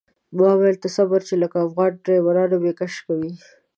ما ویل ته صبر چې لکه افغان ډریوران مې کش کوي.